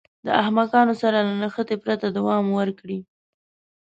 له احمقانو سره له نښتې پرته دوام ورکړي.